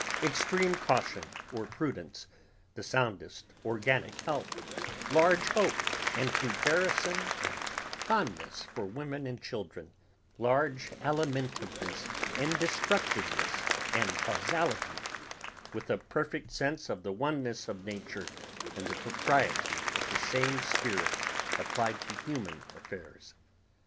Extreme caution or prudence, the soundest organic health, large hope and comparison and fondness for women and children, large alimentiveness and destructiveness and causality, with a perfect sense of the oneness of nature and the propriety of the same spirit applied to human affairs